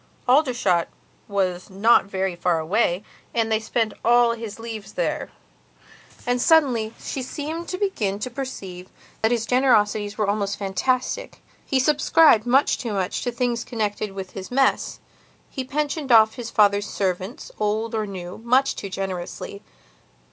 Aldershot was not very far away, and they spent all his leaves there. And, suddenly, she seemed to begin to perceive that his generosities were almost fantastic. He subscribed much too much to things connected with his mess, he pensioned off his father's servants, old or new, much too generously.